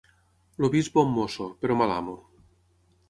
El vi és bon mosso, però mal amo.